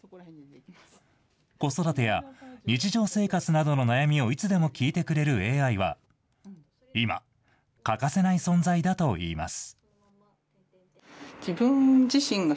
子育てや日常生活などの悩みをいつでも聞いてくれるＡＩは、今、欠かせない存在だといいます。